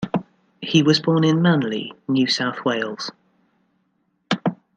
He was born in Manly, New South Wales.